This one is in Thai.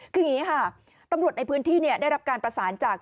คืออย่างนี้ค่ะตำรวจในพื้นที่ได้รับการประสานจาก